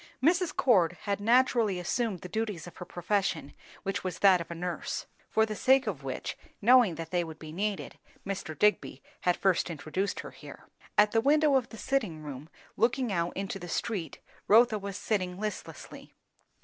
Mrs. Cord had naturally assumed the duties of her profession, which was that of a nurse; for the sake of which, knowing that they would be needed, Mr. Digby had first introduced her here. At the window of the sitting room, looking out into the street, Rotha was sitting listlessly.